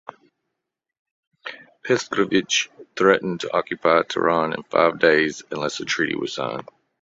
Paskievich threatened to occupy Tehran in five days unless the treaty was signed.